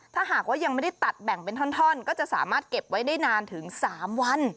ถ้าหากว่ายังไม่ได้ตัดแบ่งเป็นท่อนก็จะสามารถเก็บไว้ได้นานถึง๓วัน